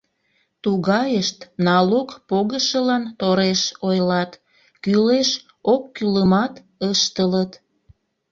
Тугайышт налог погышылан тореш ойлат, кӱлеш-оккӱлымат ыштылыт.